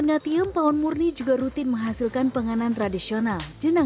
ini kita lihat dulu bahwa masyarakat ini membahas tentang panganan tradisional dan saya patri